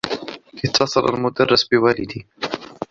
اتّصل المدرّس بوالديّ.